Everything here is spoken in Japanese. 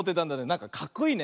なんかかっこいいね。